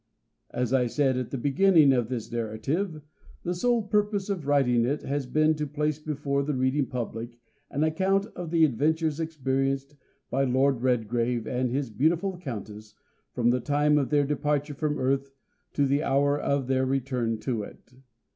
As I said at the beginning of this narrative the sole purpose of writing it has been to place before the reading public an account of the adventures experienced by Lord Redgrave and his beautiful Countess from the time of their departure from the Earth to the hour of their return to it.